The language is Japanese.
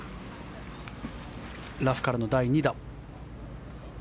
ラフからの第２打。